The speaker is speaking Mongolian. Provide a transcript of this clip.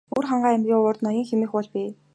Өвөрхангай аймгийн урд Ноён хэмээх уул бий.